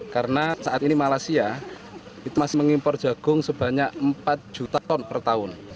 karena saat ini malaysia masih mengimpor jagung sebanyak empat juta ton per tahun